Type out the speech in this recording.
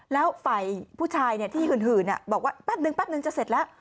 แล้วฝ่ายผู้ชายเนี่ยที่หืนอ่ะบอกว่าแป๊บนึงจะเสร็จแล้ว